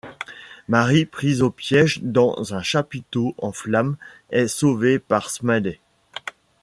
Mary prise au piège dans un chapiteau en flamme est sauvée par Smiley.